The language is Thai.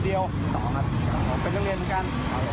เป็นนักเรียนเหมือนกัน